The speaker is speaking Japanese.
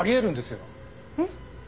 えっ？